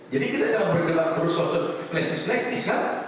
jadi kita jangan berdebat terus soal flash disk flash disk kan